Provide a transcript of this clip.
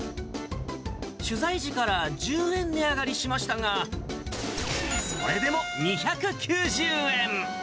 取材時から１０円値上がりしましたが、それでも２９０円。